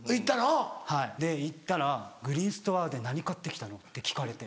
はいで行ったら「グリーンストアで何買って来たの？」って聞かれて。